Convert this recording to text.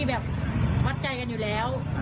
แบบวัดใจกันอยู่แล้ว